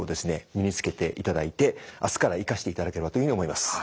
身につけていただいて明日から生かしていただければというように思います。